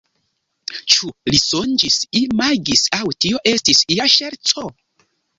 Ĉu li sonĝis, imagis aŭ tio estis ia ŝerco?